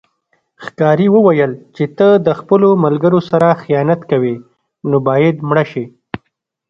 ښکاري وویل چې ته خپلو ملګرو سره خیانت کوې نو باید مړه شې.